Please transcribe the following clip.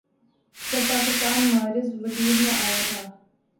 جب پاکستان معرض وجود میں آیا تھا۔